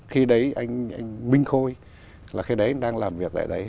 khi đấy anh minh khôi là khi đấy đang làm việc tại đấy